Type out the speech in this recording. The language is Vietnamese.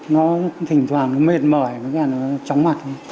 nó thỉnh thoảng mệt mỏi nó trống mặt